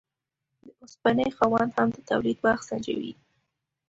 د اوسپنې خاوند هم د تولید وخت سنجوي.